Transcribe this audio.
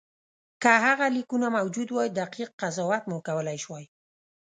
که هغه لیکونه موجود وای دقیق قضاوت مو کولای شوای.